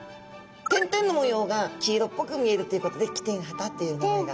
点々の模様が黄色っぽく見えるということでキテンハタっていう名前が。